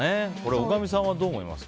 大神さんはどう思いますか。